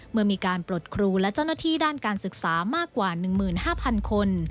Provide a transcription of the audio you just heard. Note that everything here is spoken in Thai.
เมื่อมีการปลดครูและเจ้าหน้าที่ด้านการศึกษามากกว่า๑๕๐๐๐คน